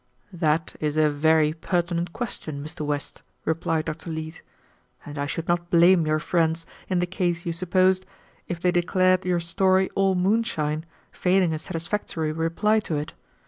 "That is a very pertinent question, Mr. West," replied Dr. Leete, "and I should not blame your friends, in the case you supposed, if they declared your story all moonshine, failing a satisfactory reply to it.